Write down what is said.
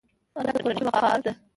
انا د کورنۍ وقار ده